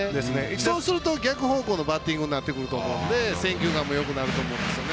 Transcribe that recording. そうすると、逆方向のバッティングになってくると思うので選球眼もよくなると思うんですね。